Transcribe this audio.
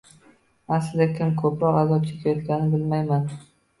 Aslida kim ko'proq azob chekayotganini bilmayman